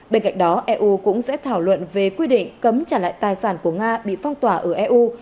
bên cạnh đó eu cũng sẽ thảo luận về quy định cấm trả lại tài sản của nga bị phong tỏa ở eu